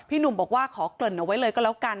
หนุ่มบอกว่าขอเกริ่นเอาไว้เลยก็แล้วกัน